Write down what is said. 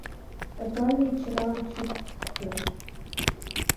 Окавий, чырам чӱктӧ.